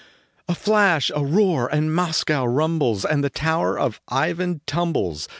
A flash ! A roar ! and Moscow rumbles, And the tower of Ivan tumbles.